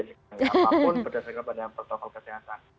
apapun berdasarkan pada protokol kesehatan